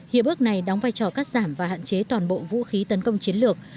hiệp ước này đóng vai trò cắt giảm và hạn chế toàn bộ vũ khí tấn công chiến lược